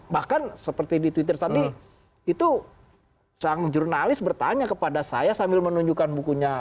bahkan seperti di twitter tadi itu sang jurnalis bertanya kepada saya sambil menunjukkan bukunya